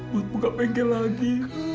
buat buka penggel lagi